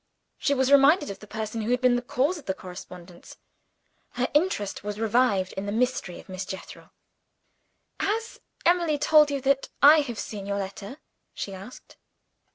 She was reminded of the person who had been the cause of the correspondence: her interest was revived in the mystery of Miss Jethro. "Has Emily told you that I have seen your letter?" she asked.